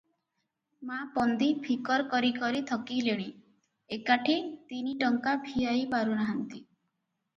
ମା' ପନ୍ଦି ଫିକର କରି କରି ଥକିଲେଣି ଏକାଠି ତିନି ଟଙ୍କା ଭିଆଇ ପାରୁନାହାନ୍ତି ।